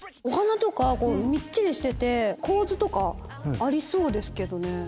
お花とかみっちりしてて構図とかありそうですけどね。